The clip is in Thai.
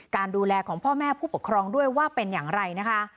การดูแลของพ่อแม่ผู้ปกครองด้วยว่าเป็นอย่างไรนะคะ